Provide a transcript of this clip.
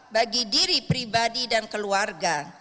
bagi diri pribadi dan keluarga